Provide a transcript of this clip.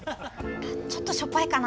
あっちょっとしょっぱいかな。